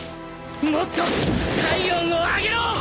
もっと体温を上げろ！！